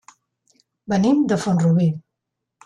Venim de Font-rubí.